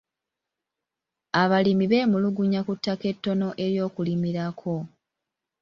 Abalimi beemulugunya ku ttaka ettono ery'okulimirako.